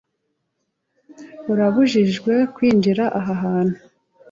Urabujijwe kwinjira aha hantu.